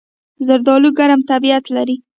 زردالو ګرم طبیعت لري.